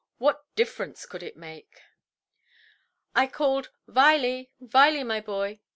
What difference could it make? "I called, 'Viley, Viley, my boy!